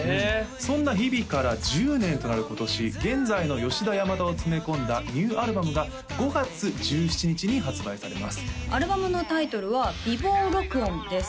そんな「日々」から１０年となる今年現在の吉田山田を詰め込んだニューアルバムが５月１７日に発売されますアルバムのタイトルは「備忘録音」です